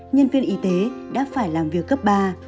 nhân viên y tế đã phải làm việc cấp ba